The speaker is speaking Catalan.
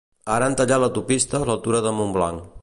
Ara han tallat l'autopista a l'altura de Montblanc.